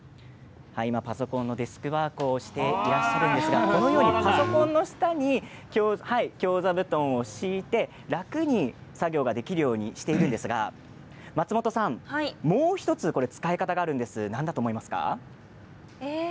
パソコンのデスクワークをしていらっしゃるんですがパソコンの下に京座布団を敷いて楽に作業ができるようにしているんですが松本さん、もう１つ使い方があるんです、何だと思いますか？